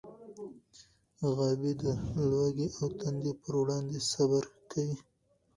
غابي د لوږې او تندې پر وړاندې صبر کوي.